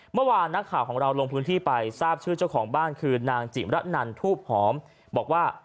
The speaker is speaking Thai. เมื่อวานนักข่าวของเราลงพื้นที่ไปทราบชื่อเจ้าของบ้านคือนางจิมระนันทูบหอมบอกว่า